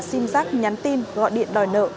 xin giác nhắn tin gọi điện đòi nợ